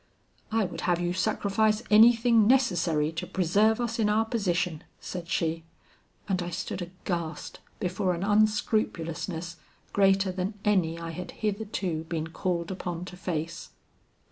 "'I would have you sacrifice anything necessary to preserve us in our position,' said she; and I stood aghast before an unscrupulousness greater than any I had hitherto been called upon to face.